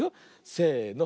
せの。